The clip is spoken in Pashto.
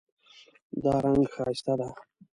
دا رنګ ښایسته ده